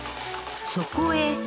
そこへ。